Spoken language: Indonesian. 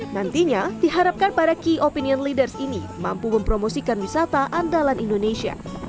nantinya diharapkan para key opinion leaders ini mampu mempromosikan wisata andalan indonesia